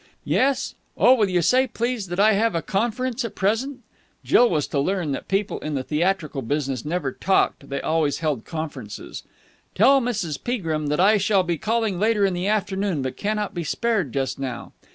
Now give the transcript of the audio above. "Yes? Oh, will you say, please, that I have a conference at present." Jill was to learn that people in the theatrical business never talked: they always held conferences. "Tell Mrs. Peagrim that I shall be calling later in the afternoon, but cannot be spared just now."